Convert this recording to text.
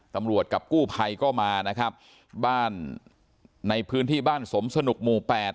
กับกู้ภัยก็มานะครับบ้านในพื้นที่บ้านสมสนุกหมู่แปด